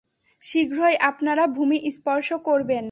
শীঘ্রই আপনারা ভূমি স্পর্শ করবেন।